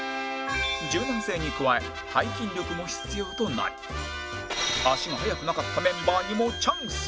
柔軟性に加え背筋力も必要となり足が速くなかったメンバーにもチャンスが